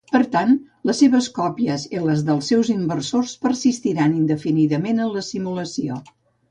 Per tant, les seves còpies i les dels seus inversors persistiran indefinidament en la simulació.